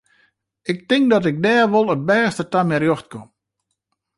Ik tink dat ik dêr wol it bêste ta myn rjocht kom.